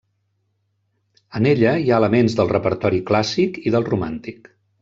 En ella hi ha elements del repertori clàssic i del romàntic.